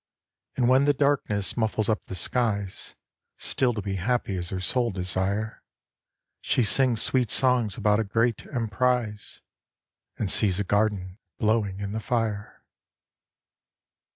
And when the darkness muffles up the skies Still to be happy is her sole desire, She sings sweet songs about a great emprise, And sees a garden blowing in the fire.